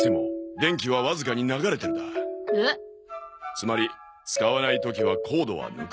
つまり使わない時はコードは抜く。